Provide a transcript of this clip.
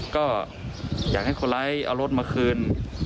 ก็อยากให้คนร้ายเอารถมาคืน